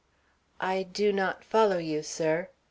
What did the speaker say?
"I do not follow you, sir."